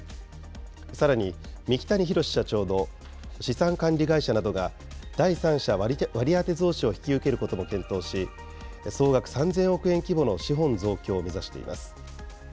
さらに、三木谷浩史社長の資産管理会社などが、第三者割当増資を引き受けることも検討し、総額３０００億円規模の資本増強を目指しています。